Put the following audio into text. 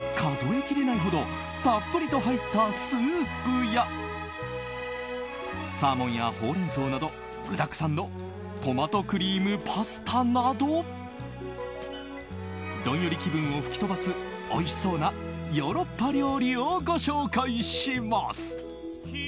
大粒ムール貝が数えきれないほどたっぷりと入ったスープやサーモンやほうれん草など具だくさんのトマトクリームパスタなどどんより気分を吹き飛ばすおいしそうなヨーロッパ料理をご紹介します。